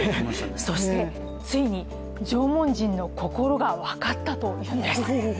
そしてついに、縄文人の心が分かったというんです。